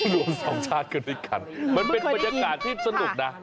รวมสองชาติกันด้วยกันมันเป็นบรรยากาศที่สนุกนะ